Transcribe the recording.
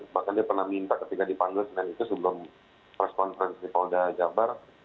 bahkan dia pernah minta ketika dipanggil senin itu sebelum press conference di polda jabar